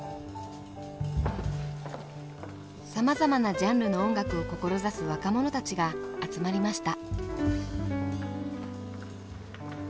さまざまなジャンルの音楽を志す若者たちが集まりました。